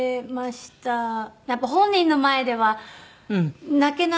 やっぱり本人の前では泣けない。